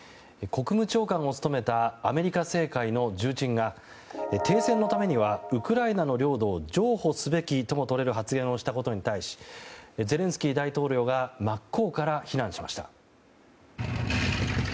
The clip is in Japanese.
国務長官を務めたアメリカ政界の重鎮が停戦のためにはウクライナの領土を譲歩すべきともとれる発言をしたことに対しゼレンスキー大統領が真っ向から非難しました。